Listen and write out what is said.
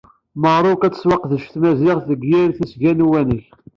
Merruk, ad tettwaseqdec Tmaziɣt deg yal tasga n uwanek.